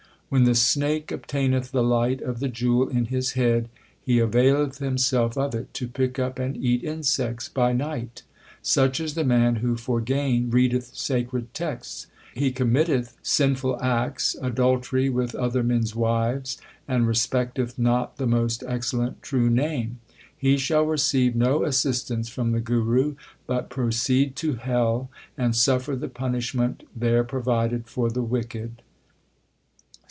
When the snake obtaineth the light of the jewel in his head, he availeth himself of it to pick up and eat insects by night. Such is the man who for gain readeth sacred texts. He committeth sinful acts, 1 Stiraj Parkdsh, Ras III, Chapter 60. 70 THE SIKH RELIGION adultery with other men s wives, and respecteth not the most excellent True Name. He shall receive no assistance from the Guru, but proceed to hell and suffer the punishment there provided for the wicked.